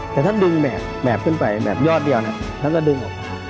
แต่ถ้าดึงแบบขึ้นไปแบบยอดเดียวท่านก็ดึงออก